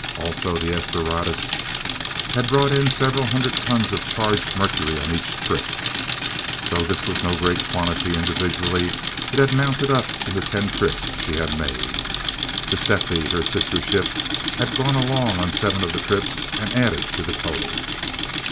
Also, the "S Doradus" had brought in several hundred tons of charged mercury on each trip, though this was no great quantity individually, it had mounted up in the ten trips she had made. The "Cepheid," her sister ship, had gone along on seven of the trips, and added to the total.